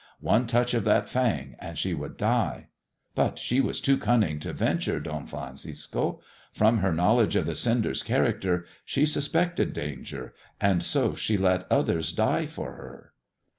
One touch of that fang, and she would die. But she was too cunning to yenturOi Don Francisco. From her knowledge of the 246 'THE TALE OP THE TURQUOISE SKULL' sender's character, she suspected danger, and so she let others die for her.''